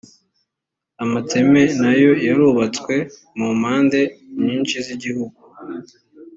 amateme na yo yarubatswe mu mpande nyinshi z’ igihugu